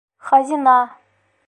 Хазина!